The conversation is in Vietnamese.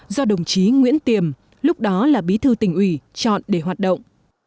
do đồng chí nguyễn tiềm lúc đó là bí thư tỉnh ủy chọn để hoạt động